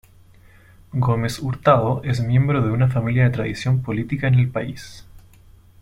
Gómez Hurtado es miembro de una familia de tradición política en el país.